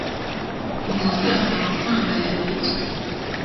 Nkusi afite amafaranga yabitswe.